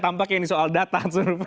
tanpa keinginan soal data